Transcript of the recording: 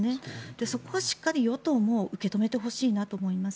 そこをしっかり与党も受け止めてほしいと思います。